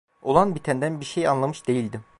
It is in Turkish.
Olan bitenden bir şey anlamış değildim.